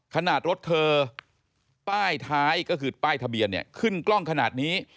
รถเธอป้ายท้ายก็คือป้ายทะเบียนเนี่ยขึ้นกล้องขนาดนี้